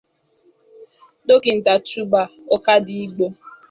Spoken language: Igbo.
Dọkịnta Chuba Ọkadịgbo